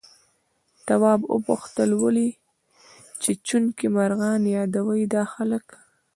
تواب وپوښتل ولې چیچونکي مرغان يادوي دا خلک؟